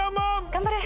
頑張れ。